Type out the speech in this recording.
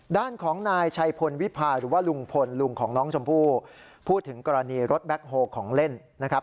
ด้านของนายชัยพลวิพาหรือว่าลุงพลลุงของน้องชมพู่พูดถึงกรณีรถแบ็คโฮลของเล่นนะครับ